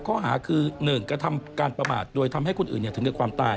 ข้อหาคือ๑กระทำการประมาทโดยทำให้คนอื่นถึงในความตาย